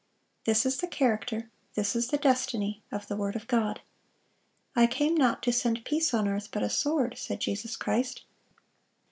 This is the character, this is the destiny, of the word of God. 'I came not to send peace on earth, but a sword,' said Jesus Christ.